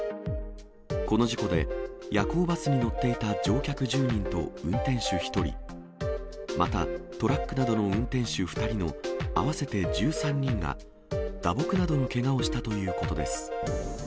この事故で、夜行バスに乗っていた乗客１０人と運転手１人、またトラックなどの運転手２人の合わせて１３人が、打撲などのけがをしたということです。